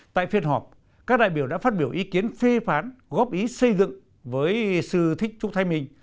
tại phiên họp các đại biểu đã phát biểu ý kiến phê phán góp ý xây dựng với sư thích trúc thái minh